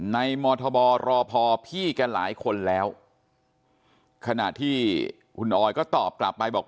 มธบรพอพี่แกหลายคนแล้วขณะที่คุณออยก็ตอบกลับไปบอก